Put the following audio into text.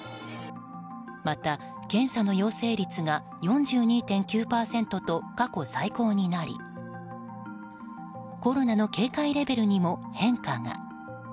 また検査の陽性率が４２．９％と過去最高になりコロナの警戒レベルにも変化が。